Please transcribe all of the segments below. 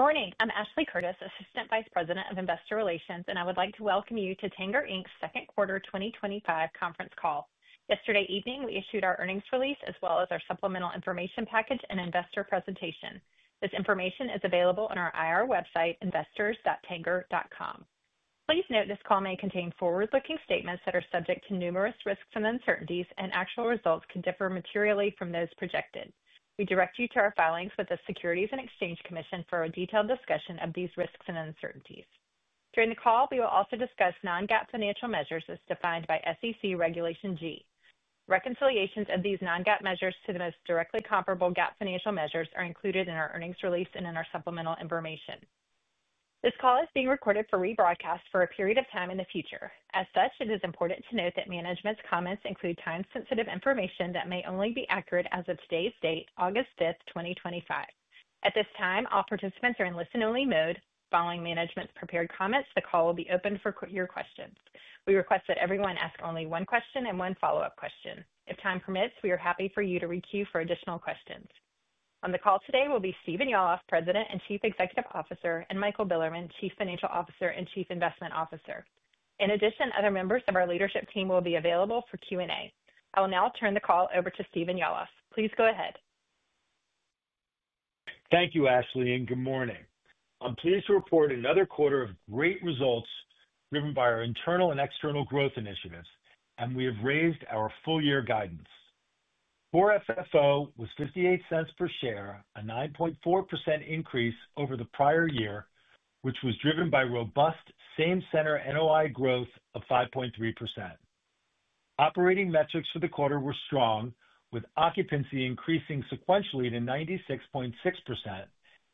Good morning. I'm Ashley Curtis, Assistant Vice President of Investor Relations, and I would like to welcome you to Tanger Inc's Second Quarter 2025 Conference Call. Yesterday evening, we issued our earnings release, as well as our supplemental information package and investor presentation. This information is available on our IR website, investors.tanger.com. Please note this call may contain forward-looking statements that are subject to numerous risks and uncertainties, and actual results can differ materially from those projected. We direct you to our filings with the Securities and Exchange Commission for a detailed discussion of these risks and uncertainties. During the call, we will also discuss non-GAAP financial measures as defined by SEC Regulation G. Reconciliations of these non-GAAP measures to the most directly comparable GAAP financial measures are included in our earnings release and in our supplemental information. This call is being recorded for rebroadcast for a period of time in the future. As such, it is important to note that management's comments include time-sensitive information that may only be accurate as of today's date, August 5, 2025. At this time, all participants are in listen-only mode. Following management's prepared comments, the call will be open for your questions. We request that everyone ask only one question and one follow-up question. If time permits, we are happy for you to re-queue for additional questions. On the call today will be Stephen Yalof, President and Chief Executive Officer, and Michael Bilerman, Chief Financial Officer and Chief Investment Officer. In addition, other members of our leadership team will be available for Q&A. I will now turn the call over to Stephen Yalof. Please go ahead. Thank you, Ashley, and good morning. I'm pleased to report another quarter of great results driven by our internal and external growth initiatives, and we have raised our full-year guidance. Core FFO was $0.58 per share, a 9.4% increase over the prior year, which was driven by robust same-center NOI growth of 5.3%. Operating metrics for the quarter were strong, with occupancy increasing sequentially to 96.6%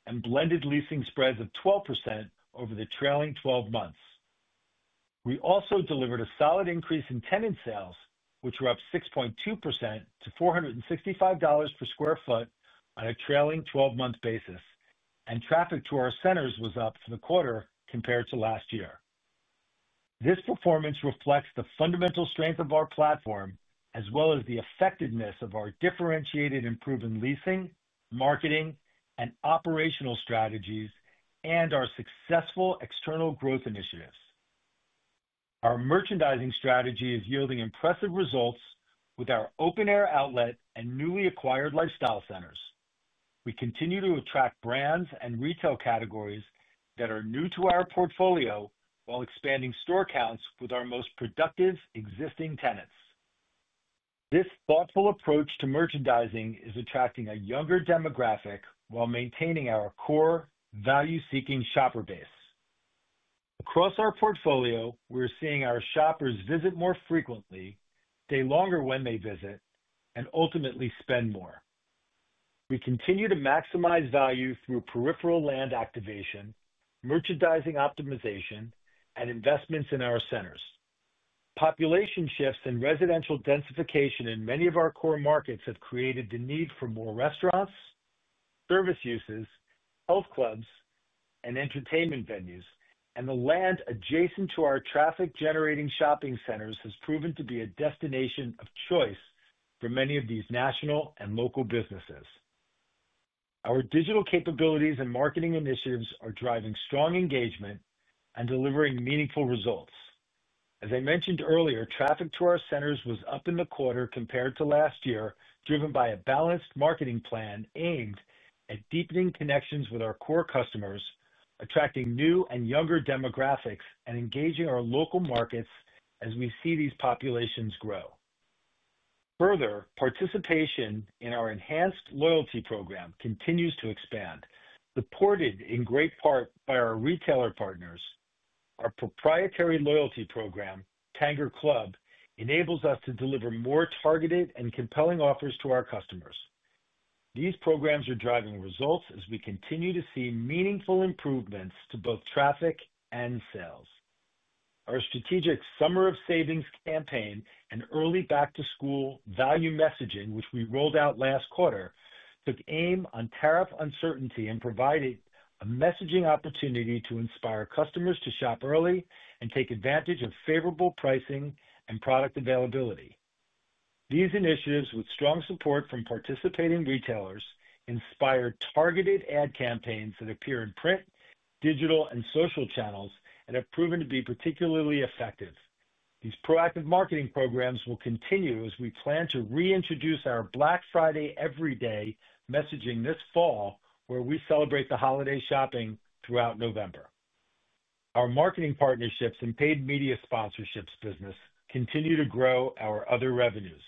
and blended leasing spreads of 12% over the trailing 12 months. We also delivered a solid increase in tenant sales, which were up 6.2% to $465 per sq ft on a trailing 12-month basis, and traffic to our centers was up for the quarter compared to last year. This performance reflects the fundamental strength of our platform, as well as the effectiveness of our differentiated and proven leasing, marketing, and operational strategies, and our successful external growth initiatives. Our merchandising strategy is yielding impressive results with our open-air outlet and newly acquired lifestyle centers. We continue to attract brands and retail categories that are new to our portfolio while expanding store counts with our most productive existing tenants. This thoughtful approach to merchandising is attracting a younger demographic while maintaining our core value-seeking shopper base. Across our portfolio, we're seeing our shoppers visit more frequently, stay longer when they visit, and ultimately spend more. We continue to maximize value through peripheral land activation, merchandising optimization, and investments in our centers. Population shifts and residential densification in many of our core markets have created the need for more restaurants, service uses, health clubs, and entertainment venues, and the land adjacent to our traffic-generating shopping centers has proven to be a destination of choice for many of these national and local businesses. Our digital capabilities and marketing initiatives are driving strong engagement and delivering meaningful results. As I mentioned earlier, traffic to our centers was up in the quarter compared to last year, driven by a balanced marketing plan aimed at deepening connections with our core customers, attracting new and younger demographics, and engaging our local markets as we see these populations grow. Further, participation in our enhanced loyalty program continues to expand, supported in great part by our retailer partners. Our proprietary loyalty program, Tanger Club, enables us to deliver more targeted and compelling offers to our customers. These programs are driving results as we continue to see meaningful improvements to both traffic and sales. Our strategic Summer of Savings campaign and early back-to-school value messaging, which we rolled out last quarter, took aim on tariff uncertainty and provided a messaging opportunity to inspire customers to shop early and take advantage of favorable pricing and product availability. These initiatives, with strong support from participating retailers, inspire targeted ad campaigns that appear in print, digital, and social channels, and have proven to be particularly effective. These proactive marketing programs will continue as we plan to reintroduce our Black Friday Every Day messaging this fall, where we celebrate the holiday shopping throughout November. Our marketing partnerships and paid media sponsorships business continue to grow our other revenues.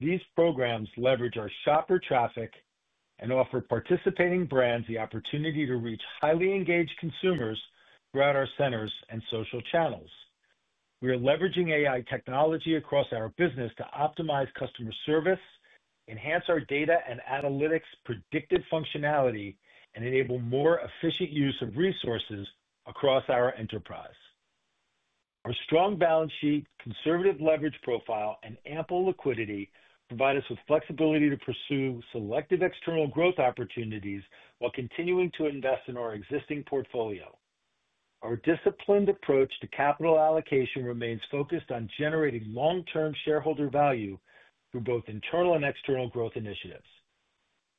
These programs leverage our shopper traffic and offer participating brands the opportunity to reach highly engaged consumers throughout our centers and social channels. We are leveraging AI technology across our business to optimize customer service, enhance our data and analytics predictive functionality, and enable more efficient use of resources across our enterprise. Our strong balance sheet, conservative leverage profile, and ample liquidity provide us with flexibility to pursue selective external growth opportunities while continuing to invest in our existing portfolio. Our disciplined approach to capital allocation remains focused on generating long-term shareholder value through both internal and external growth initiatives.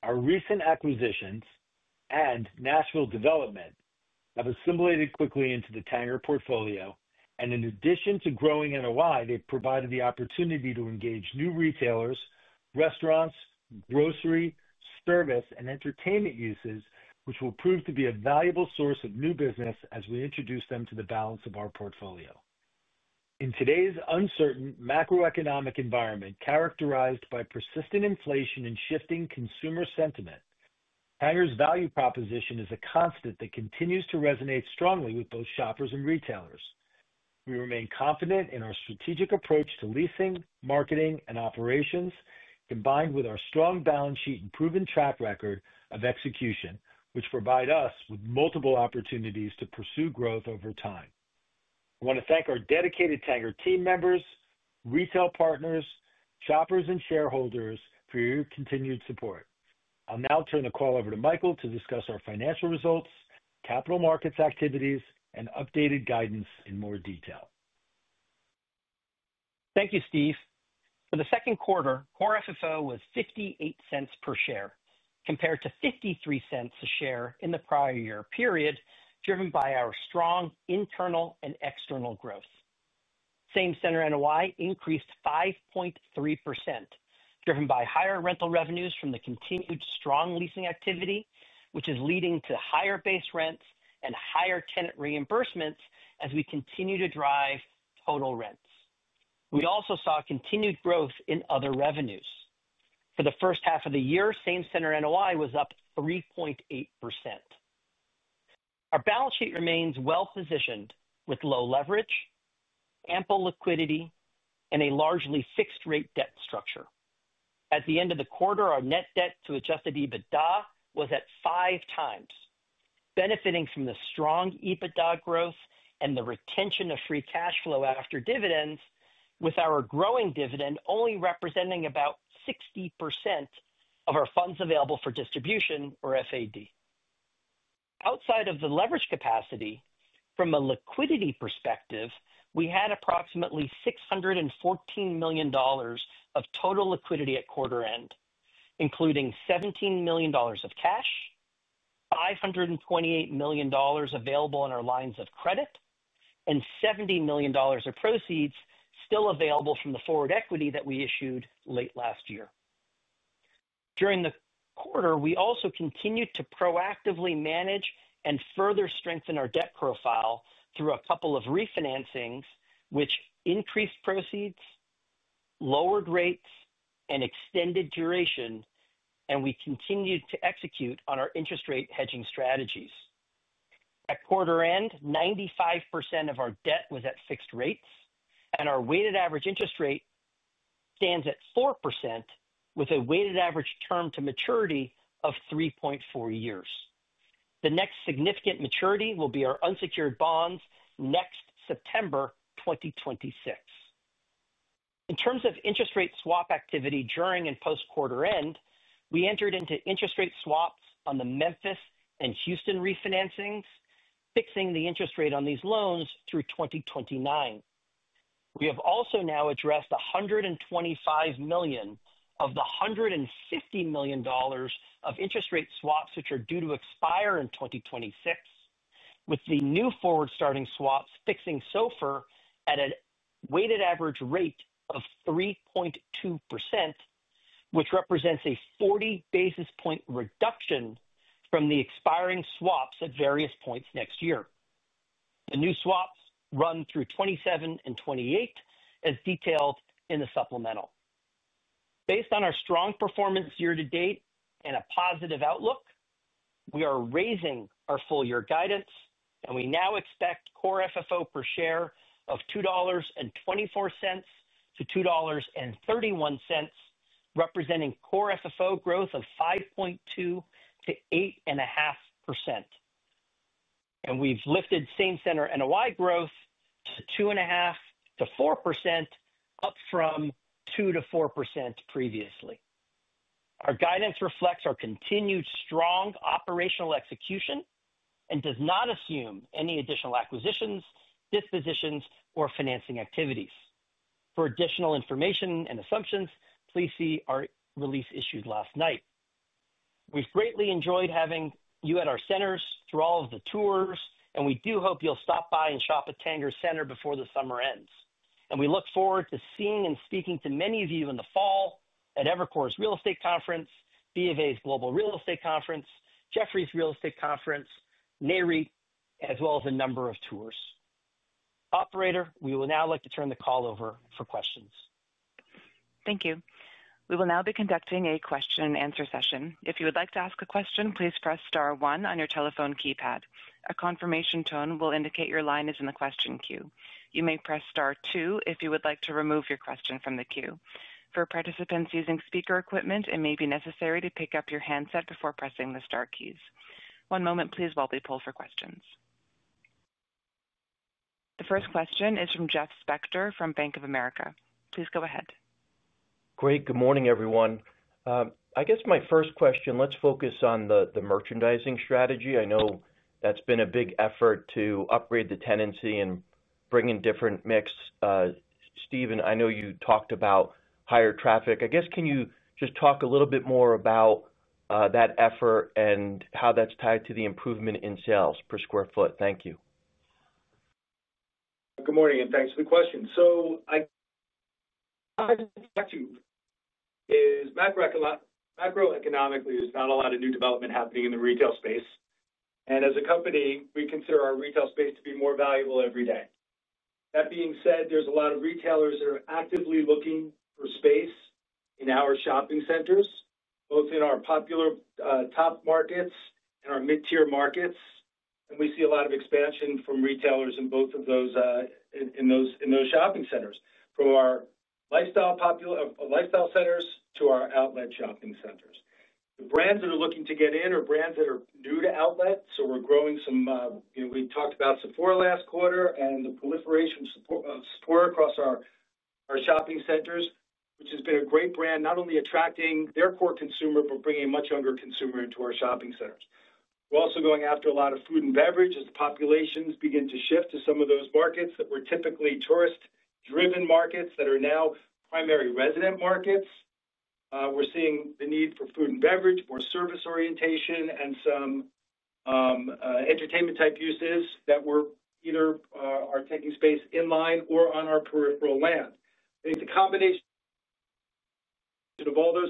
Our recent acquisitions and national development have assimilated quickly into the Tanger portfolio, and in addition to growing NOI, they've provided the opportunity to engage new retailers, restaurants, grocery, service, and entertainment uses, which will prove to be a valuable source of new business as we introduce them to the balance of our portfolio. In today's uncertain macroeconomic environment, characterized by persistent inflation and shifting consumer sentiment, Tanger's value proposition is a constant that continues to resonate strongly with both shoppers and retailers. We remain confident in our strategic approach to leasing, marketing, and operations, combined with our strong balance sheet and proven track record of execution, which provide us with multiple opportunities to pursue growth over time. I want to thank our dedicated Tanger team members, retail partners, shoppers, and shareholders for your continued support. I'll now turn the call over to Michael to discuss our financial results, capital markets activities, and updated guidance in more detail. Thank you, Steve. For the second quarter, core FFO was $0.58 per share, compared to $0.53 a share in the prior year period, driven by our strong internal and external growth. Same-center NOI increased 5.3%, driven by higher rental revenues from the continued strong leasing activity, which is leading to higher base rents and higher tenant reimbursements as we continue to drive total rents. We also saw continued growth in other revenues. For the first half of the year, same-center NOI was up 3.8%. Our balance sheet remains well-positioned with low leverage, ample liquidity, and a largely fixed-rate debt structure. At the end of the quarter, our net debt to adjusted EBITDA was at 5x, benefiting from the strong EBITDA growth and the retention of free cash flow after dividends, with our growing dividend only representing about 60% of our funds available for distribution or FAD. Outside of the leverage capacity, from a liquidity perspective, we had approximately $614 million of total liquidity at quarter end, including $17 million of cash, $528 million available in our lines of credit, and $70 million of proceeds still available from the forward equity that we issued late last year. During the quarter, we also continued to proactively manage and further strengthen our debt profile through a couple of refinancings, which increased proceeds, lowered rates, and extended duration, and we continued to execute on our interest rate hedging strategies. At quarter end, 95% of our debt was at fixed rates, and our weighted average interest rate stands at 4%, with a weighted average term to maturity of 3.4 years. The next significant maturity will be our unsecured bonds next September 2026. In terms of interest rate swap activity during and post-quarter end, we entered into interest rate swaps on the Memphis and Houston refinancings, fixing the interest rate on these loans through 2029. We have also now addressed $125 million of the $150 million of interest rate swaps which are due to expire in 2026, with the new forward starting swaps fixing SOFR at a weighted average rate of 3.2%, which represents a 40 basis point reduction from the expiring swaps at various points next year. The new swaps run through 2027 and 2028, as detailed in the supplemental. Based on our strong performance year-to-date and a positive outlook, we are raising our full-year guidance, and we now expect core FFO per share of $2.24-$2.31, representing core FFO growth of 5.2% to 8.5%. We have lifted same-center NOI growth to 2.5%-4%, up from 2%-4% previously. Our guidance reflects our continued strong operational execution and does not assume any additional acquisitions, dispositions, or financing activities. For additional information and assumptions, please see our release issued last night. We have greatly enjoyed having you at our centers through all of the tours, and we do hope you'll stop by and shop at a Tanger Center before the summer ends. We look forward to seeing and speaking to many of you in the fall at Evercore ISI Institutional Equities Real Estate Conference, BofA Securities Global Real Estate Conference, Jefferies Real Estate Conference, NAREIT, as well as a number of tours. Operator, we would now like to turn the call over for questions. Thank you. We will now be conducting a question-and-answer session. If you would like to ask a question, please press star one on your telephone keypad. A confirmation tone will indicate your line is in the question queue. You may press star two if you would like to remove your question from the queue. For participants using speaker equipment, it may be necessary to pick up your handset before pressing the star keys. One moment, please, while we pull for questions. The first question is from Jeff Spector from Bank of America. Please go ahead. Great. Good morning, everyone. I guess my first question, let's focus on the merchandising strategy. I know that's been a big effort to upgrade the tenancy and bring in different mix. Stephen, I know you talked about higher traffic. I guess can you just talk a little bit more about that effort and how that's tied to the improvement in sales per square foot? Thank you. Good morning and thanks for the question. I guess the issue is macroeconomically, there's not a lot of new development happening in the retail space. As a company, we consider our retail space to be more valuable every day. That being said, there's a lot of retailers that are actively looking for space in our shopping centers, both in our popular top markets and our mid-tier markets. We see a lot of expansion from retailers in both of those shopping centers, from our lifestyle centers to our outlet shopping centers. The brands that are looking to get in are brands that are new to outlets. We're growing some, you know, we've talked about Sephora last quarter and the proliferation of Sephora across our shopping centers, which has been a great brand, not only attracting their core consumer, but bringing a much younger consumer into our shopping centers. We're also going after a lot of food and beverage as the populations begin to shift to some of those markets that were typically tourist-driven markets that are now primary resident markets. We're seeing the need for food and beverage, more service orientation, and some entertainment-type uses that either are taking space in line or on our peripheral land. It's a combination of all those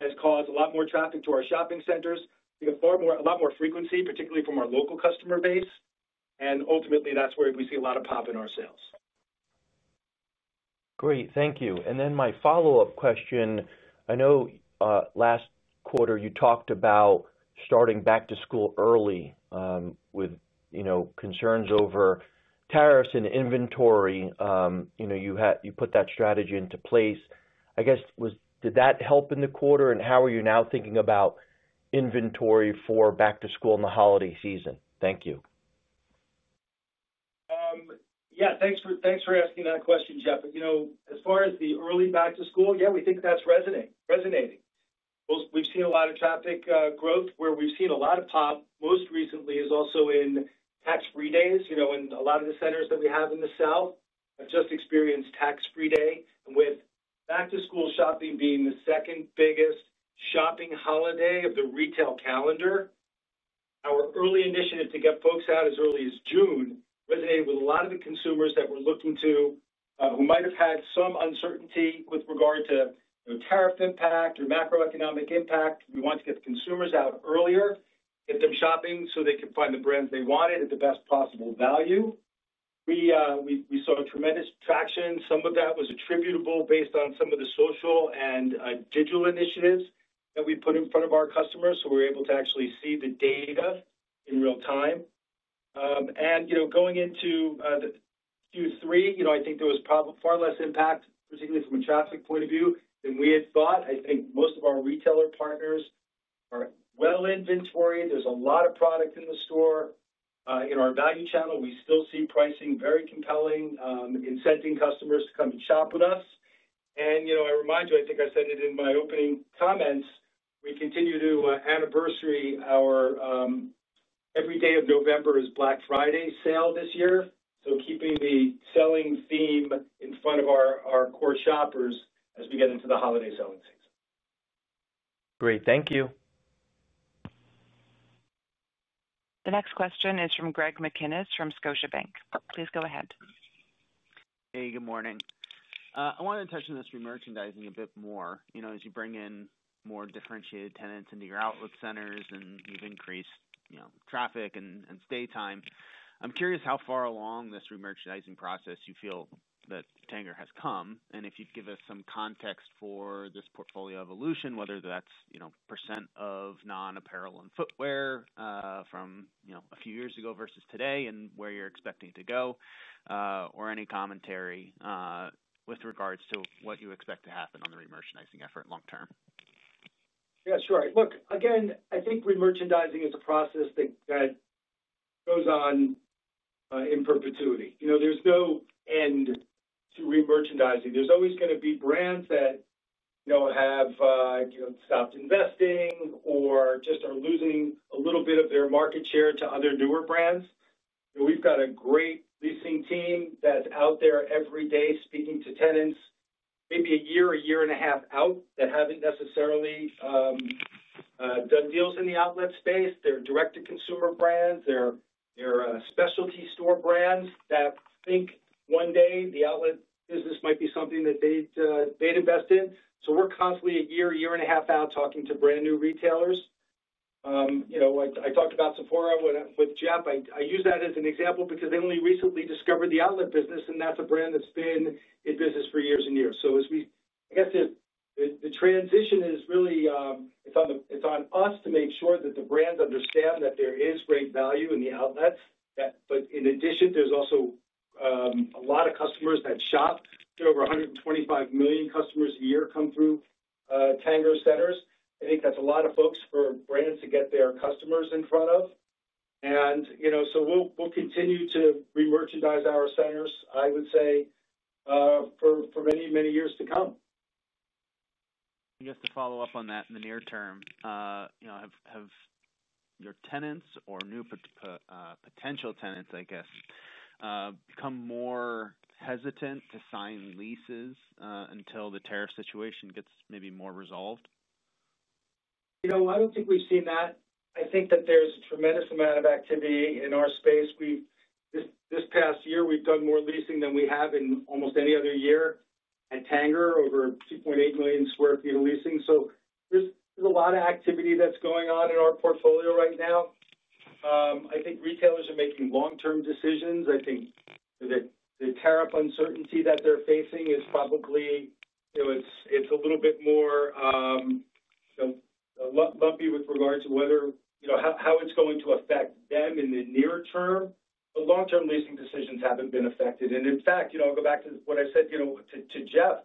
and cause a lot more traffic to our shopping centers. We have a lot more frequency, particularly from our local customer base. Ultimately, that's where we see a lot of pop in our sales. Great, thank you. My follow-up question, I know last quarter you talked about starting back to school early with concerns over tariffs and inventory. You put that strategy into place. Did that help in the quarter? How are you now thinking about inventory for back to school in the holiday season? Thank you. Yeah, thanks for asking that question, Jeff. As far as the early back to school, we think that's resonating. We've seen a lot of traffic growth where we've seen a lot of pop. Most recently, it is also in tax-free days. A lot of the centers that we have in the South have just experienced tax-free day. With back to school shopping being the second biggest shopping holiday of the retail calendar, our early initiative to get folks out as early as June resonated with a lot of the consumers that were looking to, who might have had some uncertainty with regard to tariff impact or macroeconomic impact. We want to get the consumers out earlier, get them shopping so they could find the brands they wanted at the best possible value. We saw tremendous traction. Some of that was attributable based on some of the social and digital initiatives that we put in front of our customers. We were able to actually see the data in real time. Going into Q3, I think there was probably far less impact, particularly from a traffic point of view than we had thought. I think most of our retailer partners are well inventoried. There's a lot of product in the store. Our value channel, we still see pricing very compelling, incenting customers to come and shop with us. I remind you, I think I said it in my opening comments, we continue to anniversary our every day of November is Black Friday sale this year, keeping the selling theme in front of our core shoppers as we get into the holiday selling season. Great, thank you. The next question is from Greg McGinniss from Scotiabank. Please go ahead. Hey, good morning. I want to touch on this remerchandising a bit more. As you bring in more differentiated tenants into your outlet centers and you've increased traffic and stay time, I'm curious how far along this remerchandising process you feel that Tanger has come and if you'd give us some context for this portfolio evolution, whether that's percentage of non-apparel and footwear from a few years ago versus today and where you're expecting to go, or any commentary with regards to what you expect to happen on the remerchandising effort long term. Yeah, sure. Look, again, I think remerchandising is a process that goes on in perpetuity. There's no end to remerchandising. There's always going to be brands that have stopped investing or just are losing a little bit of their market share to other newer brands. We've got a great leasing team that's out there every day speaking to tenants, maybe a year, a year and a half out, that haven't necessarily done deals in the outlet space. They're direct-to-consumer brands. They're specialty store brands that think one day the outlet business might be something that they'd invest in. We're constantly a year, year and a half out talking to brand new retailers. I talked about Sephora with Jeff. I use that as an example because they only recently discovered the outlet business, and that's a brand that's been in business for years and years. The transition is really, it's on us to make sure that the brands understand that there is great value in the outlets. In addition, there's also a lot of customers that shop. There are over 125 million customers a year come through Tanger centers. I think that's a lot of folks for brands to get their customers in front of. We'll continue to remerchandise our centers, I would say, for many, many years to come. I guess to follow up on that in the near term, have your tenants or new, potential tenants become more hesitant to sign leases until the tariff situation gets maybe more resolved? I don't think we've seen that. I think that there's a tremendous amount of activity in our space. This past year, we've done more leasing than we have in almost any other year at Tanger, over 2.8 million sq ft of leasing. There's a lot of activity that's going on in our portfolio right now. I think retailers are making long-term decisions. I think the tariff uncertainty that they're facing is probably a little bit more lumpy with regard to whether, you know, how it's going to affect them in the near term. Long-term leasing decisions haven't been affected. In fact, I'll go back to what I said to Jeff,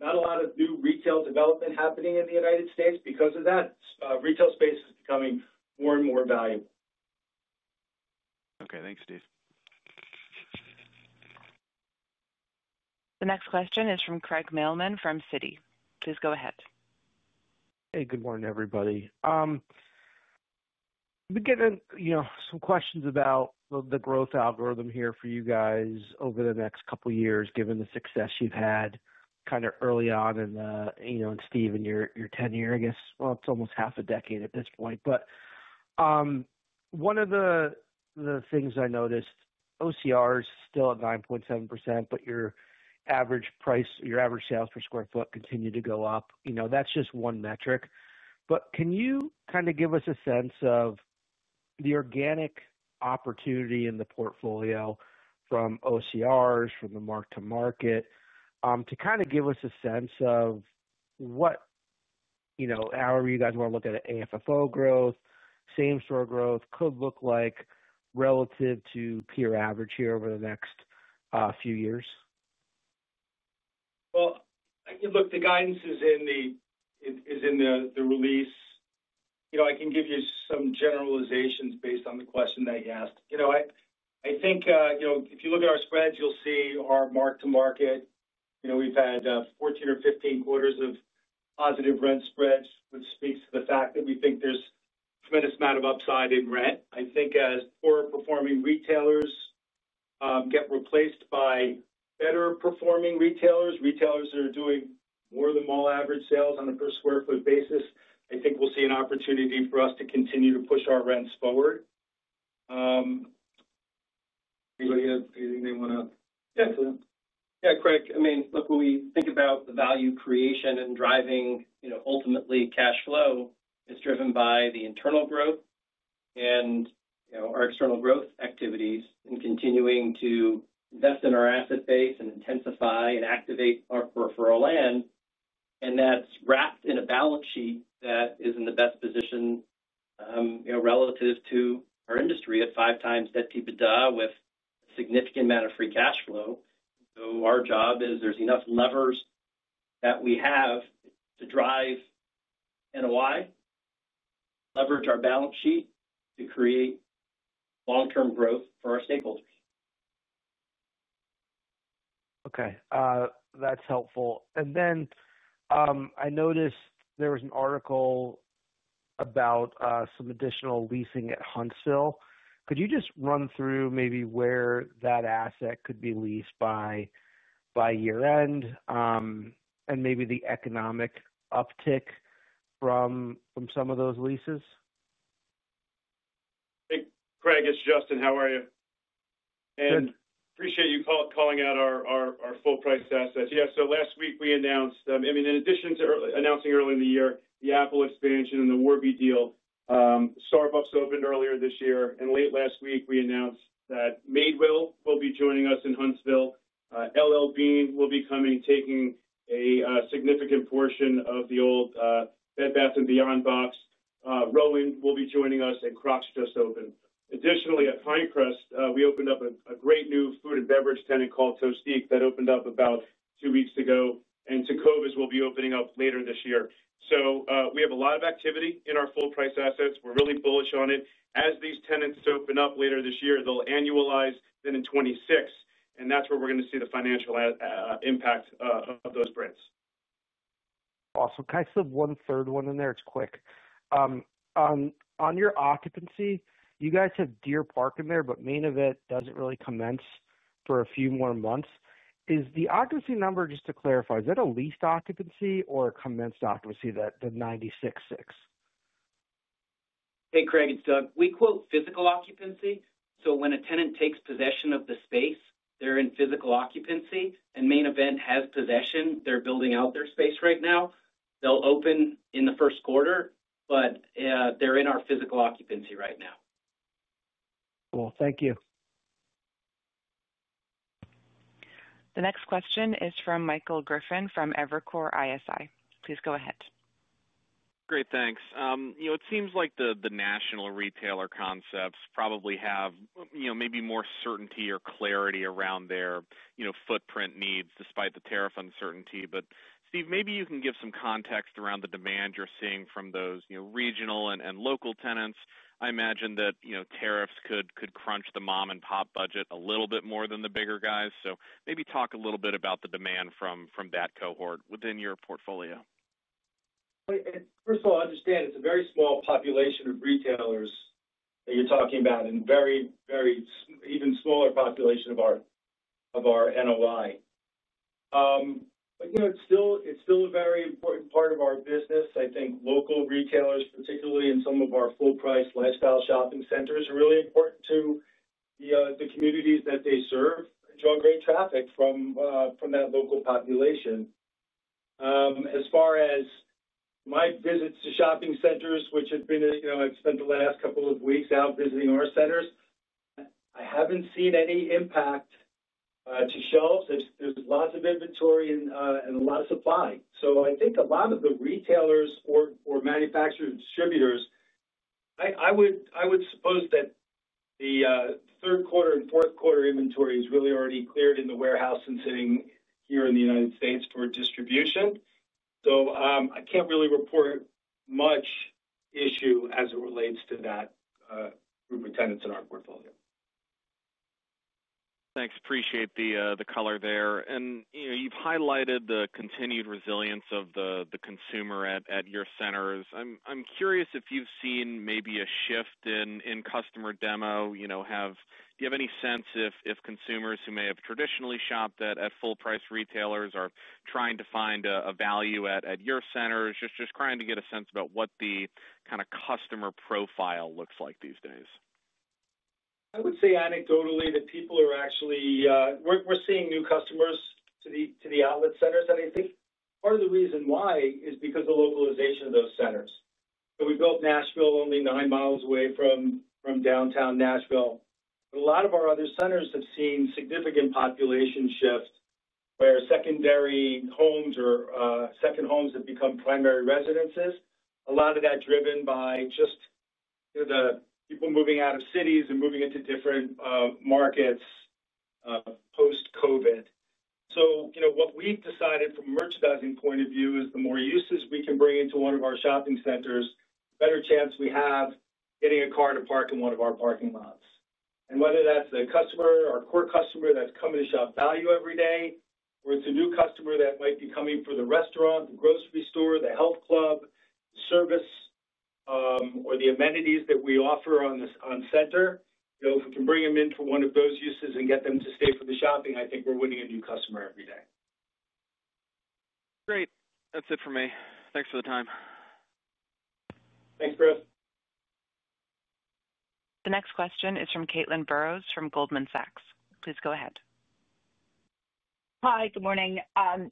not a lot of new retail development happening in the U.S. because of that. Retail space is becoming more and more valuable. Okay, thanks, Stephen. The next question is from Craig Mailman from Citi. Please go ahead. Hey, good morning, everybody. We're getting some questions about the growth algorithm here for you guys over the next couple of years, given the success you've had kind of early on in the, you know, in Stephen, your tenure, I guess. It's almost half a decade at this point. One of the things I noticed, OCR is still at 9.7%, but your average price, your average sales per square foot continue to go up. That's just one metric. Can you kind of give us a sense of the organic opportunity in the portfolio from OCRs, from the mark to market, to kind of give us a sense of what, you know, however you guys want to look at it, AFFO growth, same-store growth could look like relative to peer average here over the next few years? The guidance is in the release. I can give you some generalizations based on the question that you asked. I think if you look at our spreads, you'll see our mark to market. We've had 14 or 15 quarters of positive rent spreads, which speaks to the fact that we think there's a tremendous amount of upside in rent. I think as poor-performing retailers get replaced by better-performing retailers, retailers that are doing more than all average sales on a per square foot basis, I think we'll see an opportunity for us to continue to push our rents forward. Do you think they want to? Yeah, Craig, I mean, look, when we think about the value creation and driving, you know, ultimately cash flow, it's driven by the internal growth and, you know, our external growth activities and continuing to invest in our asset base and intensify and activate our peripheral land. That's wrapped in a balance sheet that is in the best position, you know, relative to our industry at 5x that EBITDA with a significant amount of free cash flow. Our job is there's enough levers that we have to drive NOI, leverage our balance sheet to create long-term growth for our stakeholders. Okay, that's helpful. I noticed there was an article about some additional leasing at Huntsville. Could you just run through maybe where that asset could be leased by year-end and maybe the economic uptick from some of those leases? Craig, it's Justin. How are you? I appreciate you calling out our full-priced assets. Last week we announced, in addition to announcing early in the year the Apple expansion and the Warby deal, Starbucks opened earlier this year, and late last week we announced that Madewell will be joining us in Huntsville. L.L.Bean will be coming and taking a significant portion of the old Bed Bath & Beyond box. Rowan will be joining us, and Crocs just opened. Additionally, at Pinecrest, we opened up a great new food and beverage tenant called Tostique that opened up about two weeks ago, and Tecovas will be opening up later this year. We have a lot of activity in our full-priced assets. We're really bullish on it. As these tenants open up later this year, they'll annualize then in 2026, and that's where we're going to see the financial impact of those brands. Awesome. Can I just have one third one in there? It's quick. On your occupancy, you guys have Deer Park in there, but Main Event doesn't really commence for a few more months. Is the occupancy number, just to clarify, is that a leased occupancy or a commenced occupancy, that the 96.6%? Hey, Craig, it's Doug. We quote physical occupancy. When a tenant takes possession of the space, they're in physical occupancy, and Main Event has possession. They're building out their space right now. They'll open in the first quarter, but they're in our physical occupancy right now. Cool. Thank you. The next question is from Michael Griffin from Evercore ISI. Please go ahead. Great, thanks. It seems like the national retailer concepts probably have maybe more certainty or clarity around their footprint needs despite the tariff uncertainty. Steve, maybe you can give some context around the demand you're seeing from those regional and local tenants. I imagine that tariffs could crunch the mom-and-pop budget a little bit more than the bigger guys. Maybe talk a little bit about the demand from that cohort within your portfolio. First of all, I understand it's a very small population of retailers that you're talking about and a very, very even smaller population of our NOI. It's still a very important part of our business. I think local retailers, particularly in some of our full-priced lifestyle shopping centers, are really important to the communities that they serve, drawing in traffic from that local population. As far as my visits to shopping centers, which have been, I've spent the last couple of weeks out visiting our centers, I haven't seen any impact to shelves. There's lots of inventory and a lot of supply. I think a lot of the retailers or manufacturers and distributors, I would suppose that the third quarter and fourth quarter inventory is really already cleared in the warehouse and sitting here in the United States for distribution. I can't really report much issue as it relates to that group of tenants in our portfolio. Thanks. Appreciate the color there. You've highlighted the continued resilience of the consumer at your centers. I'm curious if you've seen maybe a shift in customer demo. Do you have any sense if consumers who may have traditionally shopped at full-priced retailers are trying to find a value at your centers? Just trying to get a sense about what the kind of customer profile looks like these days. I would say anecdotally that people are actually, we're seeing new customers to the outlet centers. I think part of the reason why is because of the localization of those centers. We built Nashville only nine miles away from downtown Nashville. A lot of our other centers have seen significant population shifts where secondary homes or second homes have become primary residences, a lot of that driven by just, you know, people moving out of cities and moving into different markets post-COVID. What we've decided from a merchandising point of view is the more uses we can bring into one of our shopping centers, the better chance we have getting a car to park in one of our parking lots. Whether that's the customer, our core customer that's coming to shop value every day, or it's a new customer that might be coming for the restaurant, the grocery store, the health club, the service, or the amenities that we offer on the center, if we can bring them in for one of those uses and get them to stay for the shopping, I think we're winning a new customer every day. Great. That's it for me. Thanks for the time. Thanks, Craig. The next question is from Caitlin Burrows from Goldman Sachs. Please go ahead. Hi, good morning.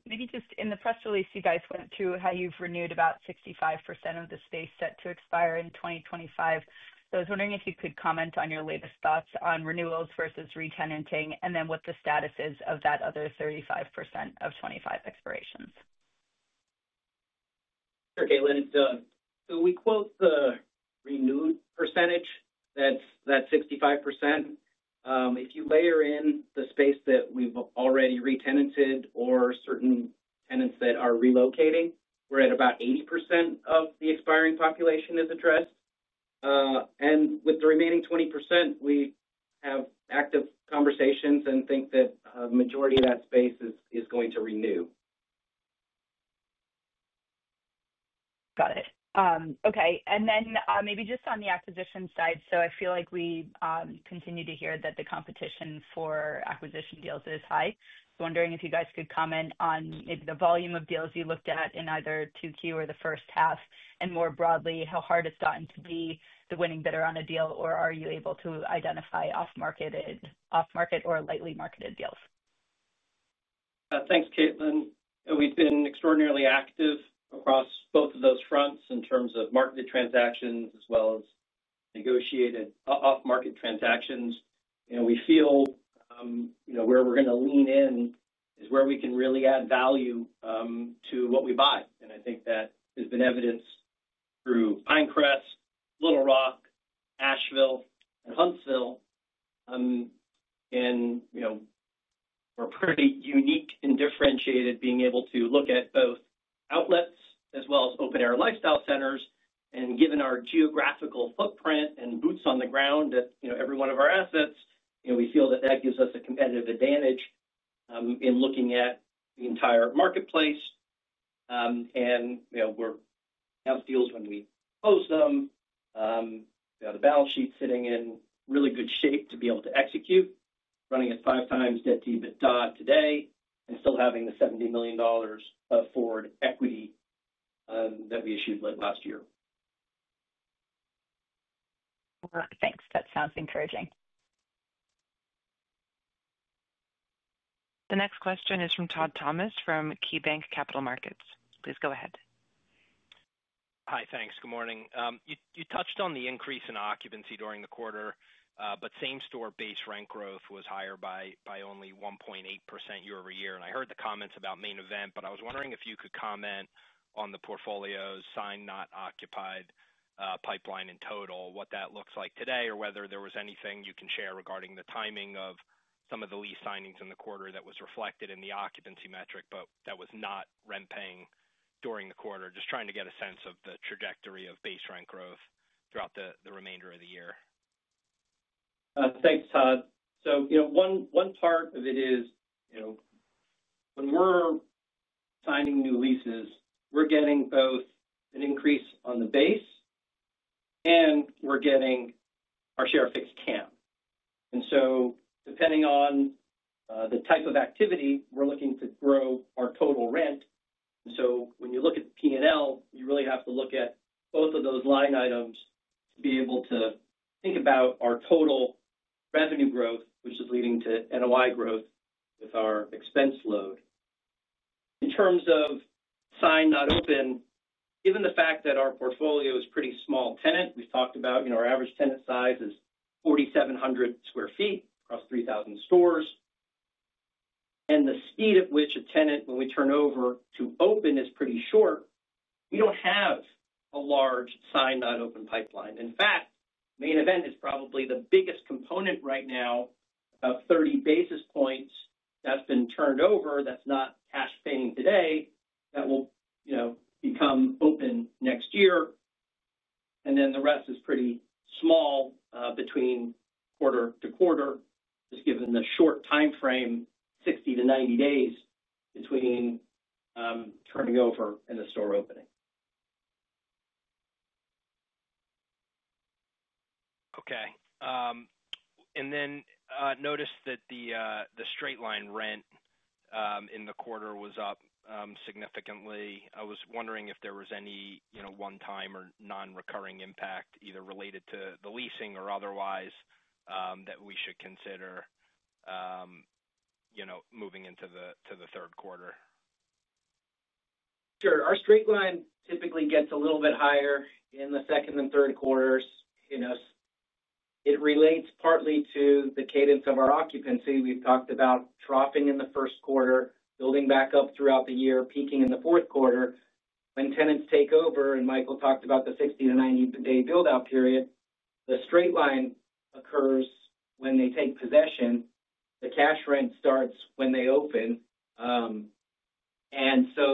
Maybe just in the press release, you guys went through how you've renewed about 65% of the space set to expire in 2025. I was wondering if you could comment on your latest thoughts on renewals versus re-tenanting, and what the status is of that other 35% of 2025 expirations. Sure, Caitlin. It's Doug. We quote the renewed percentage, that's that 65%. If you layer in the space that we've already re-tenanting or certain tenants that are relocating, we're at about 80% of the expiring population is addressed. With the remaining 20%, we have active conversations and think that a majority of that space is going to renew. Got it. Okay. Maybe just on the acquisition side, I feel like we continue to hear that the competition for acquisition deals is high. I'm wondering if you guys could comment on maybe the volume of deals you looked at in either 2Q or the first half, and more broadly, how hard it's gotten to be the winning bidder on a deal, or are you able to identify off-market or lightly marketed deals? Thanks, Caitlin. We've been extraordinarily active across both of those fronts in terms of marketed transactions as well as negotiated off-market transactions. We feel where we're going to lean in is where we can really add value to what we buy. I think that has been evidenced through Pinecrest, Little Rock, Asheville, Huntsville. We're pretty unique and differentiated being able to look at both outlets as well as open-air lifestyle centers. Given our geographical footprint and boots on the ground at every one of our assets, we feel that gives us a competitive advantage in looking at the entire marketplace. The balance sheet's sitting in really good shape to be able to execute, running at 5x debt to EBITDA today, and still having the $70 million of forward equity that we issued late last year. All right, thanks. That sounds encouraging. The next question is from Todd Thomas from KeyBanc Capital Markets. Please go ahead. Hi, thanks. Good morning. You touched on the increase in occupancy during the quarter, but same-store base rent growth was higher by only 1.8% year-over-year. I heard the comments about Main Event. I was wondering if you could comment on the portfolio's signed not occupied pipeline in total, what that looks like today, or whether there was anything you can share regarding the timing of some of the lease signings in the quarter that was reflected in the occupancy metric, but that was not rent paying during the quarter. Just trying to get a sense of the trajectory of base rent growth throughout the remainder of the year. Thanks, Todd. One part of it is, when we're signing new leases, we're getting both an increase on the base and we're getting our share fixed CAM. Depending on the type of activity, we're looking to grow our total rent. When you look at the P&L, you really have to look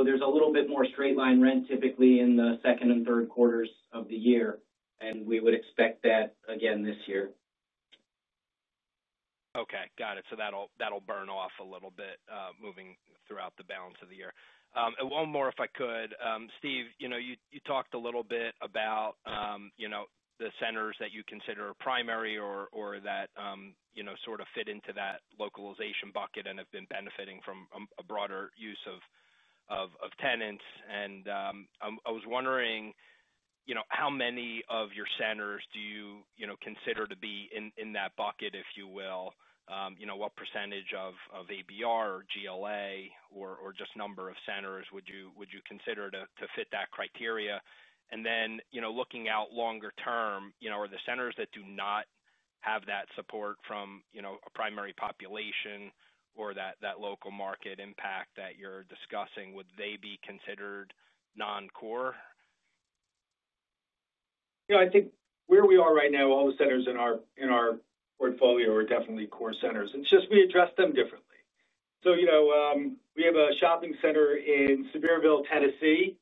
There's a little bit more straight line rent typically in the second and third quarters of the year. We would expect that again this year. Okay. Got it. That'll burn off a little bit moving throughout the balance of the year. One more, if I could, Steve, you talked a little bit about the centers that you consider primary or that sort of fit into that localization bucket and have been benefiting from a broader use of tenants. I was wondering, how many of your centers do you consider to be in that bucket, if you will? What percent of ABR or GLA or just number of centers would you consider to fit that criteria? Looking out longer term, are the centers that do not have that support from a primary population or that local market impact that you're discussing, would they be considered non-core? You know, I think where we are right now, all the centers in our portfolio are definitely core centers. It's just we address them differently. We have a shopping center in Sevierville, Tennessee,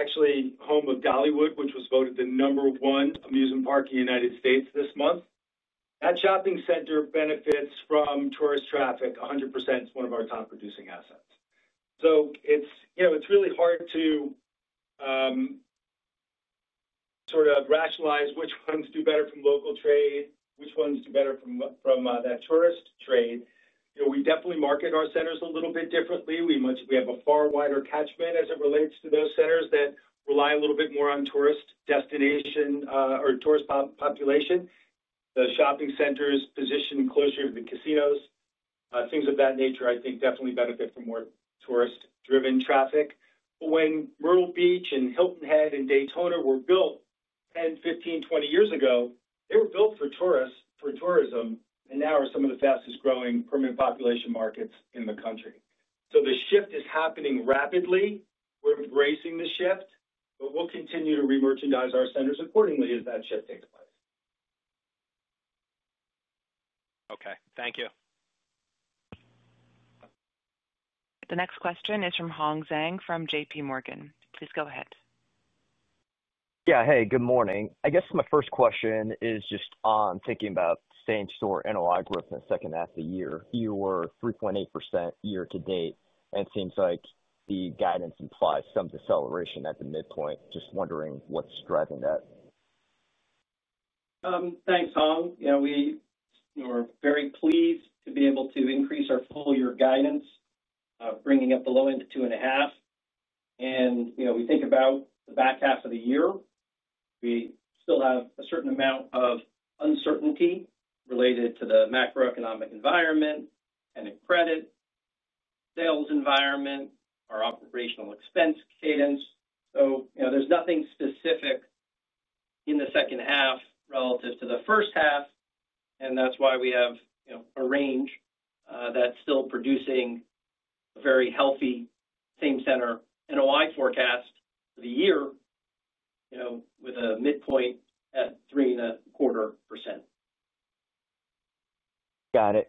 actually home of Dollywood, which was voted the number one amusement park in the United States this month. That shopping center benefits from tourist traffic 100%. It's one of our top producing assets. It's really hard to sort of rationalize which ones do better from local trade, which ones do better from that tourist trade. We definitely market our centers a little bit differently. We have a far wider catchment as it relates to those centers that rely a little bit more on tourist destination or tourist population. The shopping centers' position and closure of the casinos, things of that nature, I think, definitely benefit from more tourist-driven traffic. When Myrtle Beach and Hilton Head and Daytona were built 10, 15, 20 years ago, they were built for tourists, for tourism, and now are some of the fastest growing permanent population markets in the country. The shift is happening rapidly. We're embracing the shift, but we'll continue to remerchandise our centers accordingly as that shift takes place. Okay, thank you. The next question is from Hong Zhang from JPMorgan. Please go ahead. Yeah, hey, good morning. I guess my first question is just thinking about same store NOI growth in the second half of the year. You were 3.8% year-to-date, and it seems like the guidance implies some deceleration at the midpoint. Just wondering what's driving that. Thanks, Hong. Yeah, we are very pleased to be able to increase our full-year guidance, bringing it below 2.5%, and we think about the back half of the year. We still have a certain amount of uncertainty related to the macroeconomic environment, tenant credit, sales environment, our operational expense cadence. There's nothing specific in the second half relative to the first half, and that's why we have a range that's still producing a very healthy same-center NOI forecast for the year, with a midpoint at 3.25%. Got it.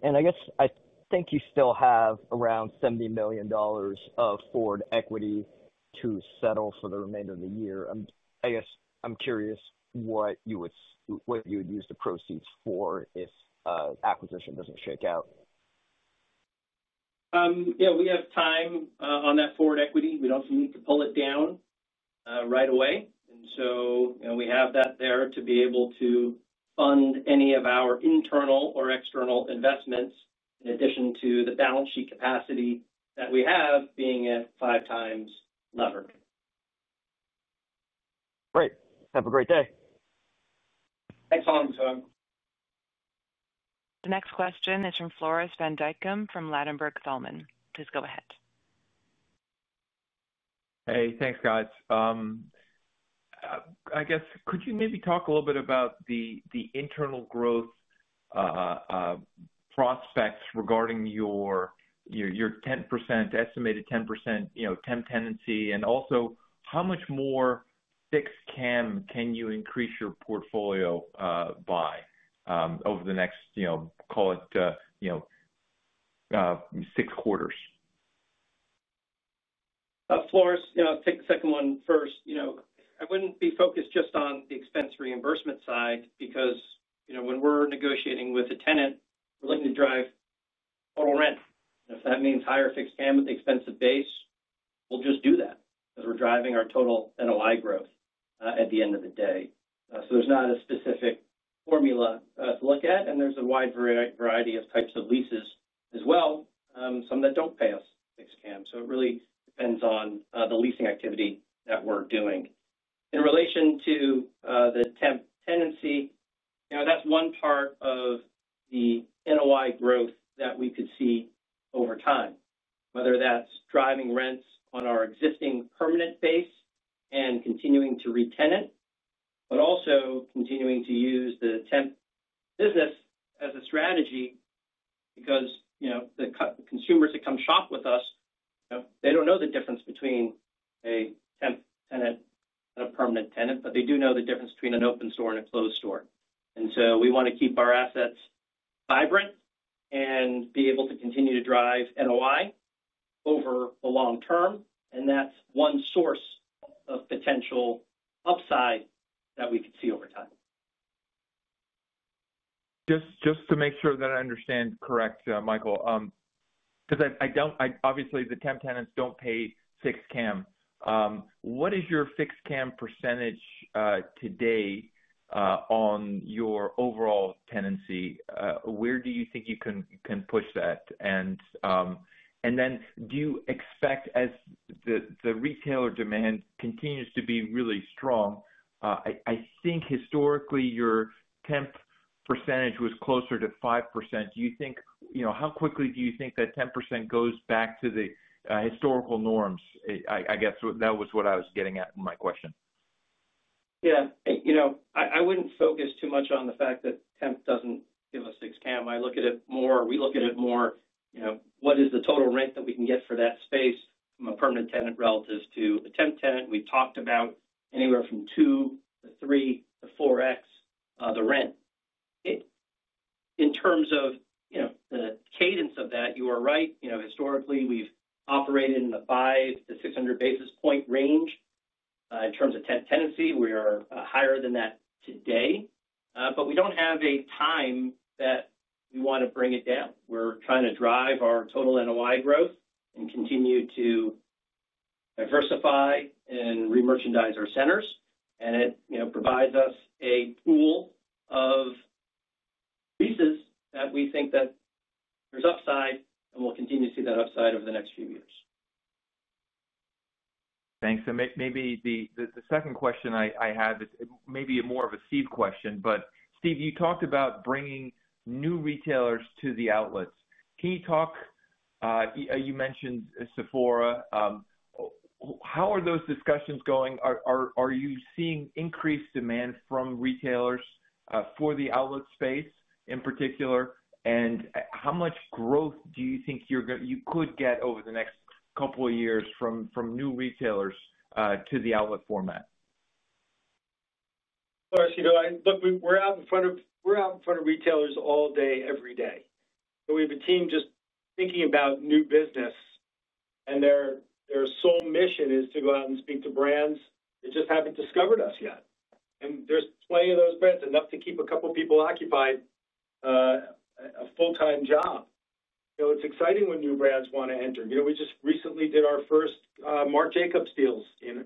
I think you still have around $70 million of forward equity to settle for the remainder of the year. I'm curious what you would use the proceeds for if acquisition doesn't shake out. Yeah, we have time on that forward equity. We don't need to pull it down right away. We have that there to be able to fund any of our internal or external investments in addition to the balance sheet capacity that we have being at 5x levered. Great. Have a great day. Thanks, Hong. The next question is from Floris van Dijkum from Ladenburg Thalmann. Please go ahead. Hey, thanks, guys. I guess, could you maybe talk a little bit about the internal growth prospects regarding your 10% estimated 10%, you know, 10 tenancy and also how much more fixed CAM can you increase your portfolio by over the next, you know, call it, you know, six quarters? Floris, I think the second one first, I wouldn't be focused just on the expense reimbursement side because when we're negotiating with a tenant, we're looking to drive total rent. If that means higher fixed CAM with the expense base, we'll just do that because we're driving our total NOI growth at the end of the day. There's not a specific formula to look at, and there's a wide variety of types of leases as well, some that don't pay us fixed CAM. It really depends on the leasing activity that we're doing. In relation to the temp tenancy, that's one part of the NOI growth that we could see over time, whether that's driving rents on our existing permanent base and continuing to re-tenant, but also continuing to use the temp business as a strategy because the consumers that come shop with us, they don't know the difference between a temp tenant and a permanent tenant, but they do know the difference between an open store and a closed store. We want to keep our assets vibrant and be able to continue to drive NOI over the long term, and that's one source of potential upside that we could see over time. Just to make sure that I understand correctly, Michael, because I don't, obviously, the temp tenants don't pay fixed CAM. What is your fixed CAM percentage today on your overall tenancy? Where do you think you can push that? Do you expect, as the retailer demand continues to be really strong, I think historically your temp percentage was closer to 5%. Do you think, you know, how quickly do you think that 10% goes back to the historical norms? I guess that was what I was getting at in my question. Yeah, you know, I wouldn't focus too much on the fact that temp doesn't give us fixed CAM. I look at it more, we look at it more, you know, what is the total rent that we can get for that space from a permanent tenant relative to a temp tenant? We've talked about anywhere from 2x to 3x to 4x the rent. In terms of, you know, the cadence of that, you are right. Historically, we've operated in the 500-600 basis point range. In terms of tenancy, we are higher than that today. We don't have a time that we want to bring it down. We're trying to drive our total NOI growth and continue to diversify and remerchandise our centers. It provides us a pool of leases that we think that there's upside, and we'll continue to see that upside over the next few years. Thanks. Maybe the second question I have is maybe more of a Steve question, but Steve, you talked about bringing new retailers to the outlets. Can you talk, you mentioned Sephora, how are those discussions going? Are you seeing increased demand from retailers for the outlet space in particular? How much growth do you think you could get over the next couple of years from new retailers to the outlet format? We're out in front of retailers all day, every day. We have a team just thinking about new business, and their sole mission is to go out and speak to brands that just haven't discovered us yet. There are plenty of those brands, enough to keep a couple of people occupied a full-time job. It's exciting when new brands want to enter. We just recently did our first Marc Jacobs deals in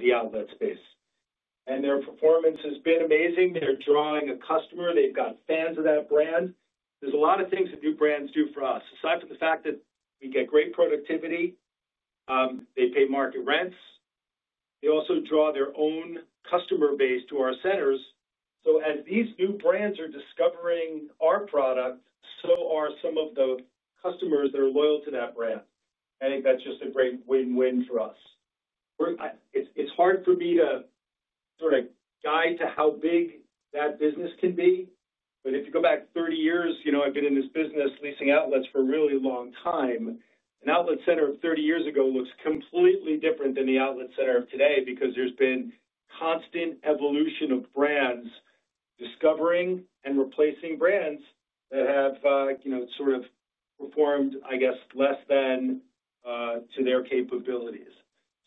the outlet space, and their performance has been amazing. They're drawing a customer. They've got fans of that brand. There are a lot of things that new brands do for us. Aside from the fact that we get great productivity, they pay market rents. They also draw their own customer base to our centers. As these new brands are discovering our product, some of the customers that are loyal to that brand are as well. I think that's just a great win-win for us. It's hard for me to sort of guide to how big that business can be. If you go back 30 years, I've been in this business leasing outlets for a really long time. An outlet center 30 years ago looks completely different than the outlet center of today because there's been constant evolution of brands discovering and replacing brands that have, you know, sort of performed, I guess, less than to their capabilities.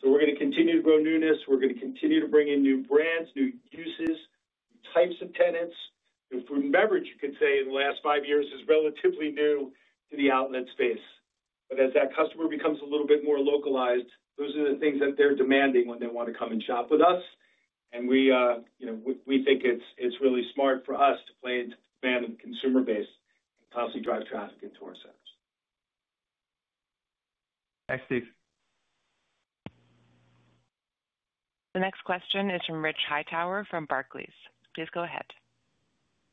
We're going to continue to grow newness. We're going to continue to bring in new brands, new uses, new types of tenants, new food and beverage. You could say in the last five years is relatively new to the outlet space. As that customer becomes a little bit more localized, those are the things that they're demanding when they want to come and shop with us. We think it's really smart for us to play into the demand of the consumer base and possibly drive traffic into our centers. Thanks, Steve. The next question is from Richard Hightower from Barclays. Please go ahead.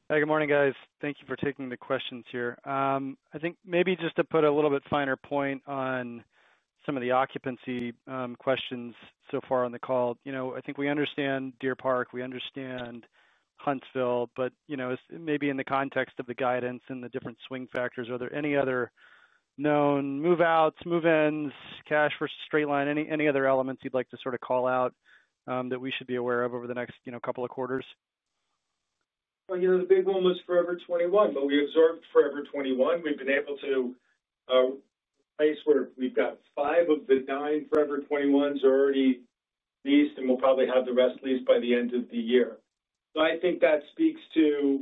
Hey, good morning, guys. Thank you for taking the questions here. I think maybe just to put a little bit finer point on some of the occupancy questions so far on the call, I think we understand Deer Park, we understand Huntsville, but maybe in the context of the guidance and the different swing factors, are there any other known move-outs, move-ins, cash versus straight line, any other elements you'd like to sort of call out that we should be aware of over the next couple of quarters? The big one was Forever 21, but we observed Forever 21. We've been able to place where we've got five of the nine Forever 21s are already leased, and we'll probably have the rest leased by the end of the year. I think that speaks to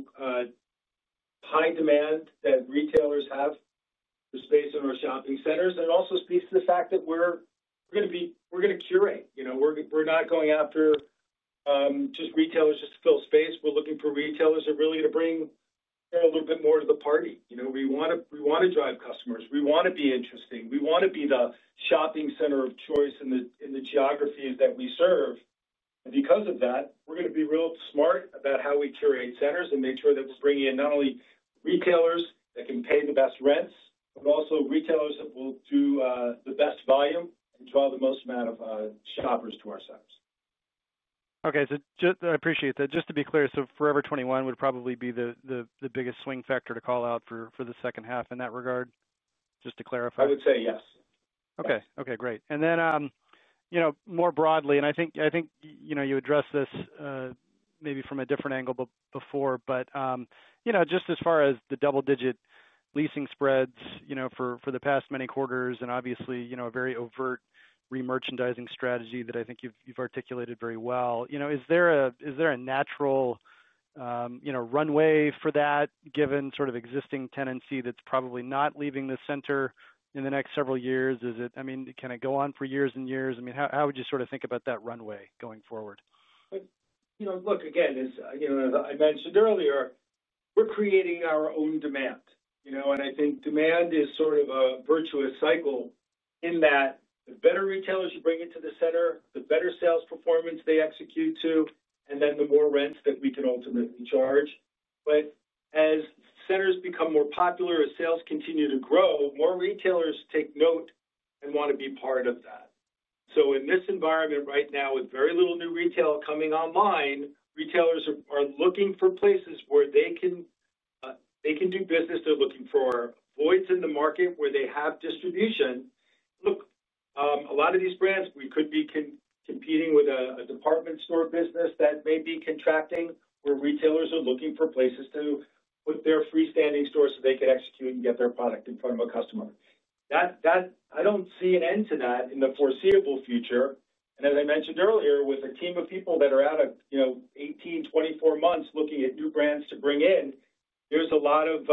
high demand that retailers have for space in our shopping centers. It also speaks to the fact that we're going to curate. We're not going after just retailers just to fill space. We're looking for retailers that are really going to bring a little bit more to the party. We want to drive customers. We want to be interesting. We want to be the shopping center of choice in the geographies that we serve. Because of that, we're going to be real smart about how we curate centers and make sure that we're bringing in not only retailers that can pay the best rents, but also retailers that will do the best volume and draw the most amount of shoppers to our centers. Okay, I appreciate that. Just to be clear, Forever 21 would probably be the biggest swing factor to call out for the second half in that regard, just to clarify? I would say yes. Okay, great. More broadly, and I think you addressed this maybe from a different angle before, just as far as the double-digit leasing spreads for the past many quarters, and obviously a very overt remerchandising strategy that I think you've articulated very well, is there a natural runway for that given sort of existing tenancy that's probably not leaving the center in the next several years? Is it, I mean, can it go on for years and years? How would you sort of think about that runway going forward? You know, as I mentioned earlier, we're creating our own demand. I think demand is sort of a virtuous cycle in that the better retailers you bring into the center, the better sales performance they execute to, and then the more rent that we could ultimately charge. As centers become more popular, as sales continue to grow, more retailers take note and want to be part of that. In this environment right now, with very little new retail coming online, retailers are looking for places where they can do business. They're looking for voids in the market where they have distribution. A lot of these brands, we could be competing with a department store business that may be contracting, where retailers are looking for places to put their freestanding stores so they can execute and get their product in front of a customer. I don't see an end to that in the foreseeable future. As I mentioned earlier, with a team of people that are out of, you know, 18, 24 months looking at new brands to bring in, there's a lot of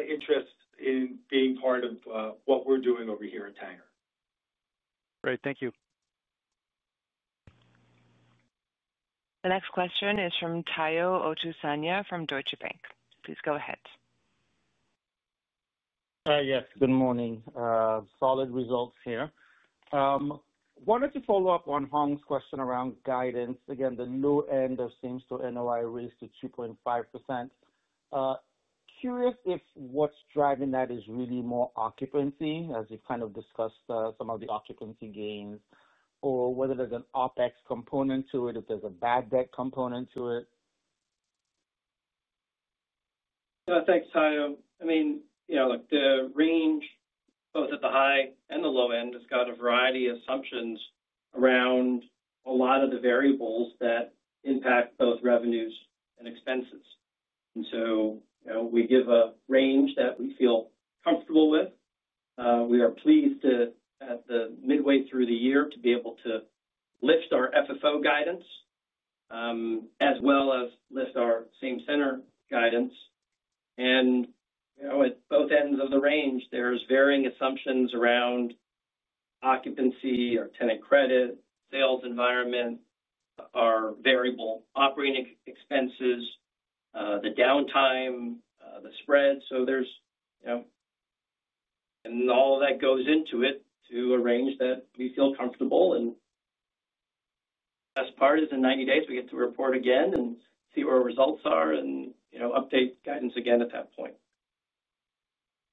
interest in being part of what we're doing over here at Tanger. Great, thank you. The next question is from Omotayo Okusanya from Deutsche Bank. Please go ahead. Yes, good morning. Solid results here. I wanted to follow up on Hong Zhang's question around guidance. Again, the low end of seems to NOI raised to 2.5%. Curious if what's driving that is really more occupancy, as you've kind of discussed some of the occupancy gains, or whether there's an OpEx component to it, if there's a bad debt component to it. Thanks, Tayo. The range both at the high and the low end has got a variety of assumptions around a lot of the variables that impact both revenues and expenses. We give a range that we feel comfortable with. We are pleased, at the midway through the year, to be able to lift our FFO guidance, as well as lift our same center guidance. At both ends of the range, there's varying assumptions around occupancy or tenant credit, sales environment, our variable operating expenses, the downtime, the spread. All of that goes into it to a range that we feel comfortable. The best part is in 90 days, we get to report again and see where our results are and update guidance again at that point.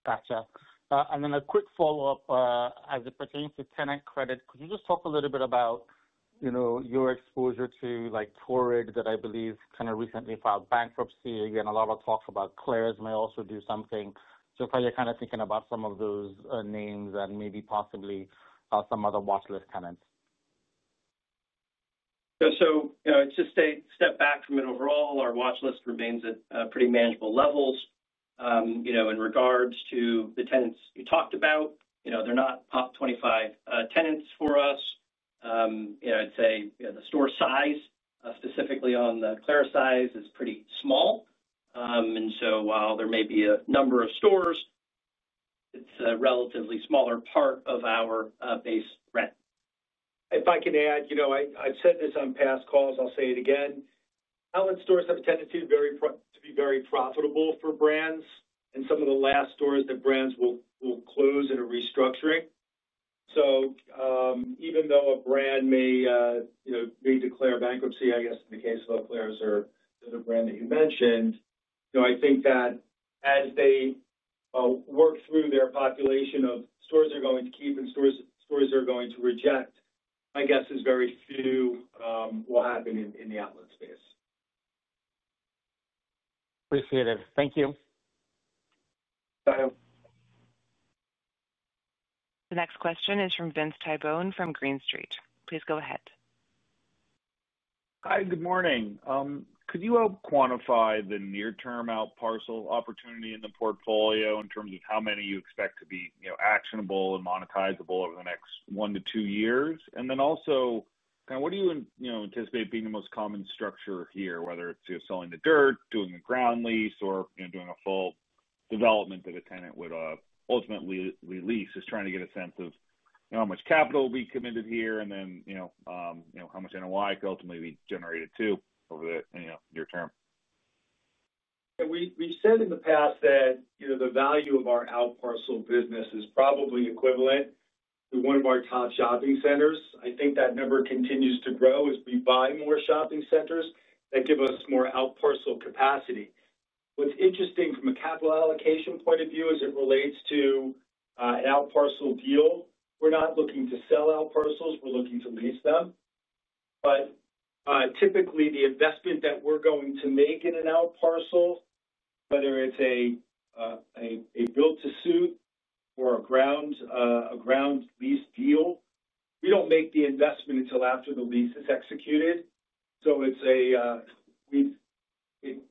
Gotcha. A quick follow-up as it pertains to tenant credit. Could you just talk a little bit about your exposure to like Torrid that I believe kind of recently filed bankruptcy? There is a lot of talk about Claire's may also do something. Are you kind of thinking about some of those names and maybe possibly some other watchlist tenants? Yeah, to step back from it overall, our watchlist remains at pretty manageable levels. In regards to the tenants you talked about, they're not top 25 tenants for us. I'd say the store size, specifically on the Claire size, is pretty small. While there may be a number of stores, it's a relatively smaller part of our base rent. If I can add, I've said this on past calls, I'll say it again. Outlet stores have a tendency to be very profitable for brands, and some of the last stores that brands will close in a restructuring. Even though a brand may declare bankruptcy, I guess in the case of Claire's or the other brand that you mentioned, I think that as they work through their population of stores they're going to keep and stores they're going to reject, my guess is very few will happen in the outlet space. Appreciate it. Thank you. The next question is from Vince Tibone from Green Street. Please go ahead. Hi, good morning. Could you help quantify the near-term out parcel opportunity in the portfolio in terms of how many you expect to be actionable and monetizable over the next one to two years? Also, what do you anticipate being the most common structure here, whether it's you're selling the dirt, doing a ground lease, or doing a full development that a tenant would ultimately lease? Just trying to get a sense of how much capital will be committed here and how much NOI could ultimately be generated too over the near term. We've said in the past that the value of our out parcel business is probably equivalent to one of our top shopping centers. I think that number continues to grow as we buy more shopping centers that give us more out parcel capacity. What's interesting from a capital allocation point of view as it relates to an out parcel deal, we're not looking to sell out parcels, we're looking to lease them. Typically, the investment that we're going to make in an out parcel, whether it's a built-to-suit or a ground lease deal, we don't make the investment until after the lease is executed.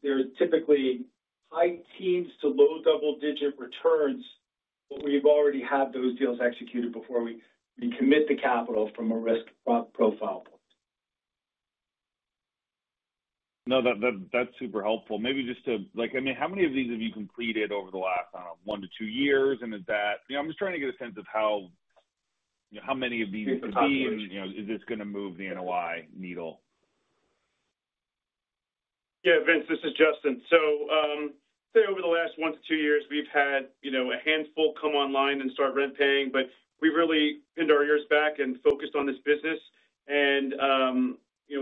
There are typically high teens to low double-digit returns when we've already had those deals executed before we commit the capital from a risk profile point. No, that's super helpful. Maybe just to, like, I mean, how many of these have you completed over the last, I don't know, one to two years? Is that, you know, I'm just trying to get a sense of how, you know, how many of these have been, you know, is this going to move the NOI needle? Yeah, Vince, this is Justin. Over the last one to two years, we've had a handful come online and start rent paying, but we've really pinned our ears back and focused on this business.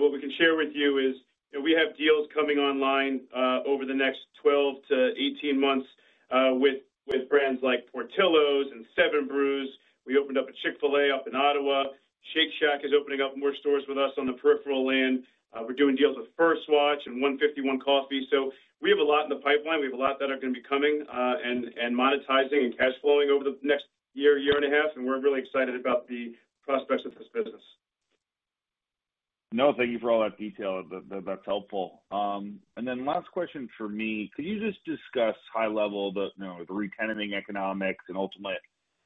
What we can share with you is we have deals coming online over the next 12-18 months with brands like Portillo's and Seven Brews. We opened up a Chick-fil-A up in Ottawa. Shake Shack is opening up more stores with us on the peripheral end. We're doing deals with First Watch and 151 Coffee. We have a lot in the pipeline. We have a lot that are going to be coming and monetizing and cash flowing over the next year, year and a half. We're really excited about the prospects of this business. No, thank you for all that detail. That's helpful. Last question for me. Could you just discuss high-level the, you know, the re-tenanting economics and ultimate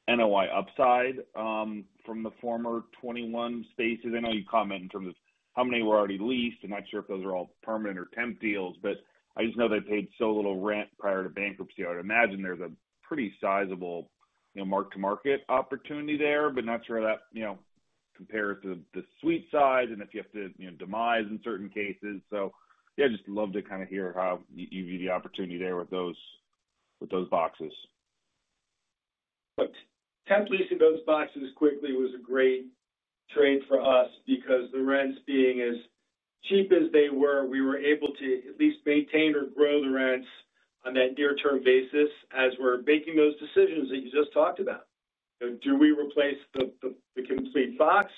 NOI upside from the former Forever 21 spaces? I know you comment in terms of how many were already leased and not sure if those are all permanent or temp deals, but I just know they paid so little rent prior to bankruptcy. I would imagine there's a pretty sizable, you know, mark-to-market opportunity there, but not sure that, you know, compares to the suite size and if you have to, you know, demise in certain cases. Yeah, I'd just love to kind of hear how you view the opportunity there with those boxes. Temporary lease of those boxes quickly was a great trade for us because the rents being as cheap as they were, we were able to at least maintain or grow the rents on that near-term basis as we're making those decisions that you just talked about. Do we replace the complete box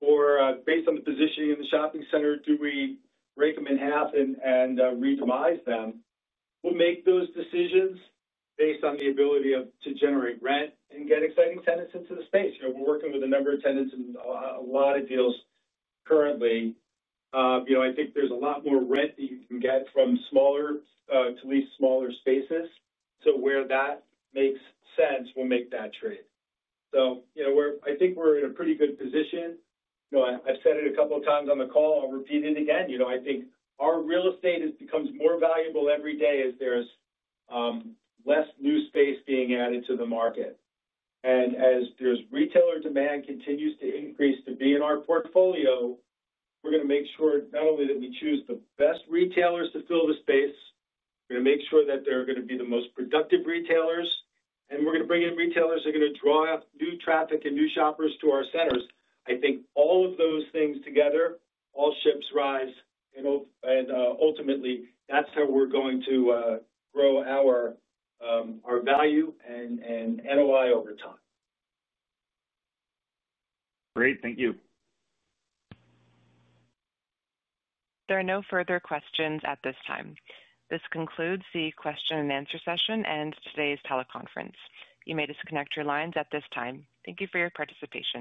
or, based on the positioning in the shopping center, do we break them in half and remerchandise them? We'll make those decisions based on the ability to generate rent and get exciting tenants into the space. We're working with a number of tenants and a lot of deals currently. I think there's a lot more rent that you can get from smaller, to lease smaller spaces. Where that makes sense, we'll make that trade. I think we're in a pretty good position. I've said it a couple of times on the call. I'll repeat it again. I think our real estate becomes more valuable every day as there's less new space being added to the market. As there's retailer demand that continues to increase to be in our portfolio, we're going to make sure not only that we choose the best retailers to fill the space, we're going to make sure that they're going to be the most productive retailers, and we're going to bring in retailers that are going to draw new traffic and new shoppers to our centers. I think all of those things together, all ships rise, and ultimately, that's how we're going to grow our value and NOI over time. Great, thank you. There are no further questions at this time. This concludes the question-and-answer session and today's teleconference. You may disconnect your lines at this time. Thank you for your participation.